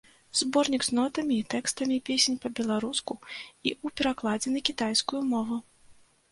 Зборнік з нотамі і тэкстамі песень па-беларуску і ў перакладзе на кітайскую мову.